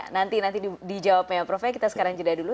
nanti dijawabnya prof v kita sekarang jeda dulu